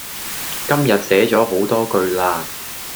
今日寫左好多句啦